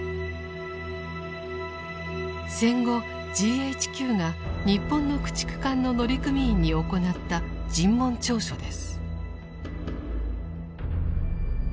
戦後ＧＨＱが日本の駆逐艦の乗組員に行った尋問調書です。